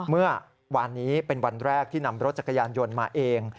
เมื่อวานนี้เป็นวันแรกที่นำรถจักรยานยนต์มาเอง